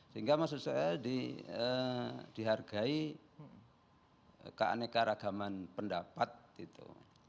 sehingga maksud saya dihargai keanekaragaman pendapat itu